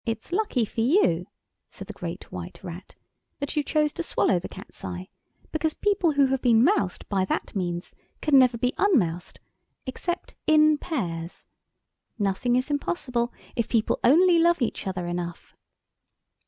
] "It's lucky for you," said the Great White Rat, "that you chose to swallow the Cat's eye, because people who have been moused by that means can never be un moused except in pairs. Nothing is impossible if people only love each other enough."